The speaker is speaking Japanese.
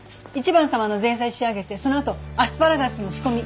１番様の前菜仕上げてそのあとアスパラガスの仕込み。